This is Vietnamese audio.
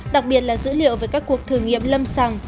đặc biệt là dữ liệu về các cuộc thử nghiệm lâm sàng